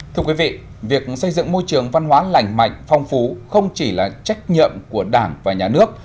thưa quý vị việc xây dựng môi trường văn hóa lành mạnh phong phú không chỉ là trách nhậm của đảng và nhà nước